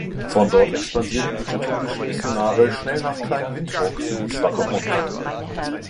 Von dort expandierten die katholischen Missionare schnell nach Klein Windhoek sowie Swakopmund.